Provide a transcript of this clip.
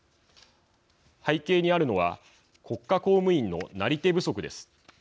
背景にあるのは国家公務員のなり手不足です。